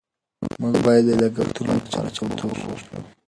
موږ باید د لګښتونو لپاره چمتو اوسو.